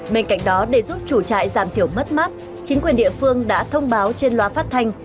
bên cạnh đó để giúp chủ trại giảm thiểu mất mát chính quyền địa phương đã thông báo trên loa phát thanh